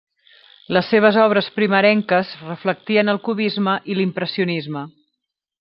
Les seves obres primerenques reflectien el cubisme i l'impressionisme.